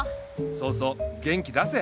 そうそう元気出せ。